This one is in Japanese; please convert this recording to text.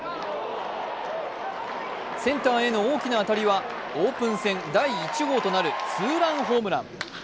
センターへの大きな当たりはオープン戦第１号となるツーランホームラン。